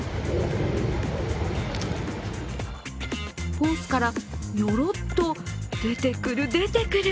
ホースからニョロッと、出てくる出てくる。